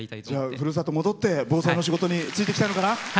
じゃあふるさと戻って防災の仕事に就いていきたいのかな。